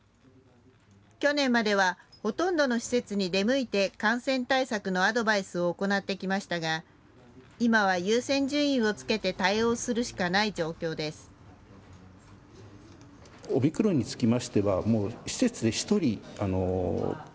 去年まではほとんどの施設に出向いて感染対策のアドバイスを行ってきましたが今は優先順位をつけて対応するしかない状況です。